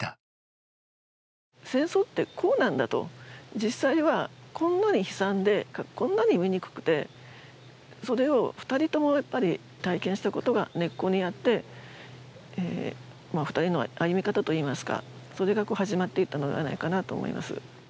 実祭はこんなに悲惨で、こんなに醜くて、それを２人とも体験したことが根っこにあって、２人の歩み方といいますか、それが始まっていったのではないかと思います。